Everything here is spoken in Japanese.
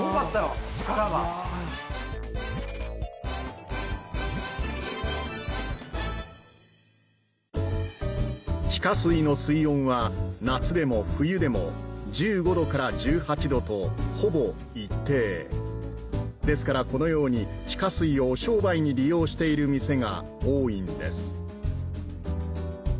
力が地下水の水温は夏でも冬でも１５度から１８度とほぼ一定ですからこのように地下水を商売に利用している店が多いんです